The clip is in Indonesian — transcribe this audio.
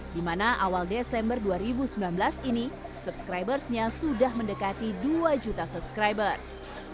di mana awal desember dua ribu sembilan belas ini subscribersnya sudah mendekati dua juta subscribers